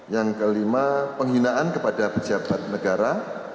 yang kelima penghinaan kepada pejabat negara